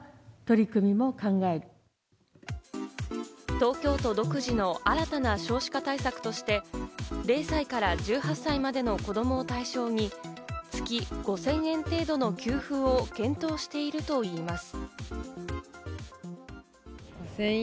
東京都独自の新たな少子化対策として、０歳から１８歳までの子供を対象に月５０００円程度の給付を検討しているといいます。